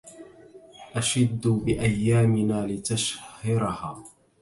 أشد بأيامنا لتشهرها